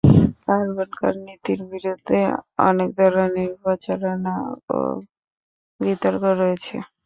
Carbon কর নীতির বিরুদ্ধেও অনেক ধরনের প্রচারণা ও বিতর্ক রয়েছে।